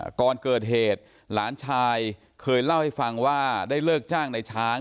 ก่อนเกิดเหตุหลานชายเคยเล่าให้ฟังว่าได้เลิกจ้างในช้าง